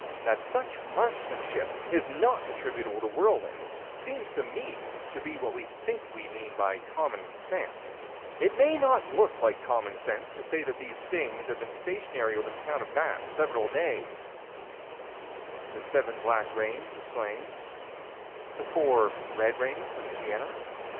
That such marksmanship is not attributable to whirlwinds seems to me to be what we think we mean by common sense: It may not look like common sense to say that these things had been stationary over the town of Bath, several days The seven black rains of Slains; The four red rains of Siena.